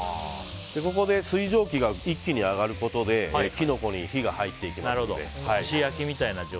水蒸気が一気に上がることでキノコに火が入りますので。